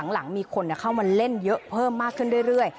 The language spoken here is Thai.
หลังมีคนเข้ามาเล่นเยอะเพิ่มมากขึ้นเรื่อย